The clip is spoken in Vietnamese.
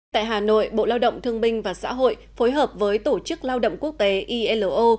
tại hà nội bộ lao động thương binh và xã hội phối hợp với tổ chức lao động quốc tế ilo